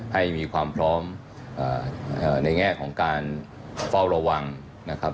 ให้มีความพร้อมในแง่ของการเฝ้าระวังนะครับ